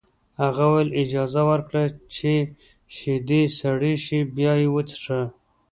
هغه وویل اجازه ورکړه چې شیدې سړې شي بیا یې وڅښه